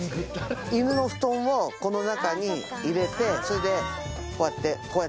犬の布団をこの中に入れてそれでこうやって。